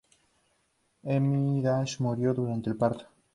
Emilie Dahl murió durante el parto.